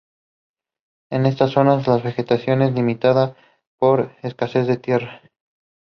Yesterday was his birthday. Happy birthday, buddy.